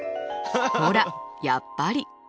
ほらやっぱり。